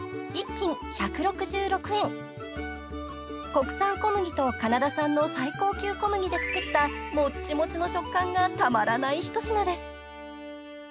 ［国産小麦とカナダ産の最高級小麦で作ったもっちもちの食感がたまらない一品です］